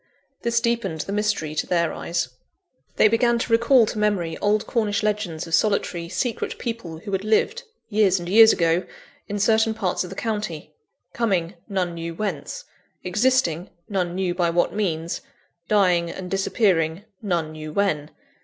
This deepened the mystery to their eyes. They began to recall to memory old Cornish legends of solitary, secret people who had lived, years and years ago, in certain parts of the county coming, none knew whence; existing, none knew by what means; dying and disappearing, none knew when.